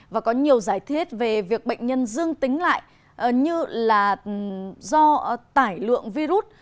và có nhiều giải thiết về việc bệnh nhân dương tính lại như là do tải lượng virus